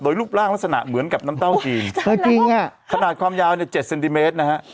โดยรูปร่างลักษณะเหมือนกับน้ำเต้าจีนขนาดความยาว๗เซนติเมตรนะฮะ